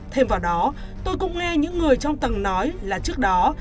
thêm vào đó tôi cũng nghe những người trong tầng nói là trước đó